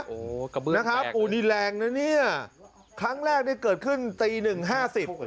โอ้โหกระบือนะครับโอ้นี่แรงนะเนี่ยครั้งแรกนี่เกิดขึ้นตีหนึ่งห้าสิบ